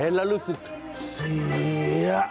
เห็นละรู้สึกเสียอารมณ์